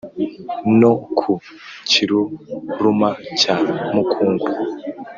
no ku kiruruma cya mukungwa